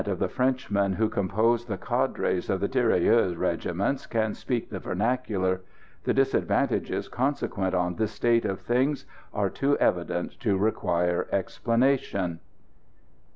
of the Frenchmen who compose the cadres of the tirailleurs regiments can speak the vernacular. The disadvantages consequent on this state of things are too evident to require explanation.